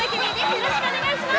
よろしくお願いします。